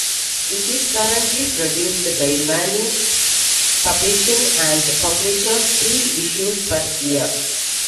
It is currently produced by Maney Publishing and publishes three issues per year.